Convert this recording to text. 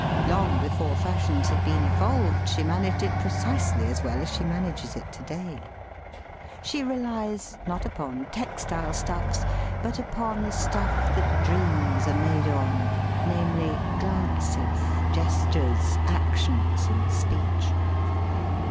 Long before fashions had been evolved she managed it precisely as well as she manages it to day. She relies, not upon textile stuffs, but THE MEANING OF FROCKS 89 upon the stuff that idreams Are made on; namely, glances, gestures, actions, and speech.